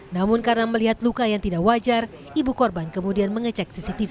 namun karena melihat luka yang tidak wajar ibu korban kemudian mengecek cctv